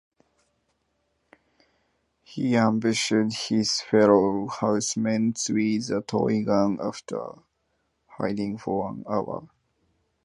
He ambushed his fellow housemates with a toy gun after hiding for an hour.